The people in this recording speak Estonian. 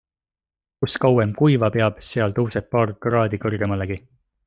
Kus kauem kuiva peab, seal tõuseb paar kraadi kõrgemalegi.